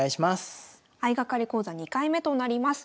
相掛かり講座２回目となります。